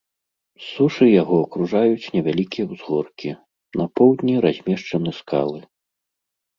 З сушы яго акружаюць невялікія ўзгоркі, на поўдні размешчаны скалы.